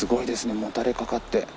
もたれかかって。